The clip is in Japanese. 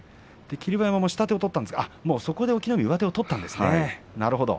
霧馬山も下手を取ったんですが、そこで隠岐の海が上手を取ったんですね。